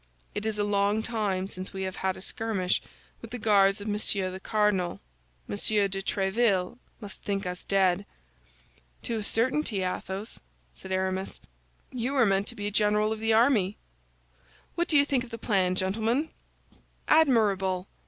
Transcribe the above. It is a long time since we have had a skirmish with the Guards of Monsieur the Cardinal; Monsieur de Tréville must think us dead." "To a certainty, Athos," said Aramis, "you were meant to be a general of the army! What do you think of the plan, gentlemen?" "Admirable!"